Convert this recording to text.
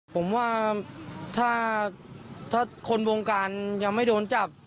ผมว่าถ้าคนวงการยังไม่โดนจับ